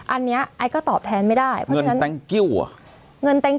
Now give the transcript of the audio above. อันนี้ไอ้ก็ตอบแทนไม่ได้เพราะฉะนั้นเงิน